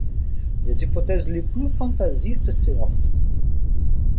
Les hypothèses les plus fantaisistes se heurtent.